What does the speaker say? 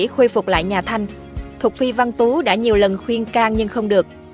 để khôi phục lại nhà thanh thục phi văn tú đã nhiều lần khuyên can nhưng không được